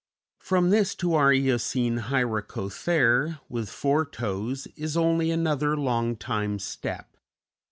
From this to our Eocene Hyracothere with four toes is only another long time step.